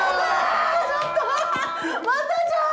ちょっと待ってまたじゃん！